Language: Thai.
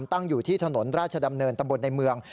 ตั้งอยู่ที่ถนนราชดำเนินตะบนในเมือง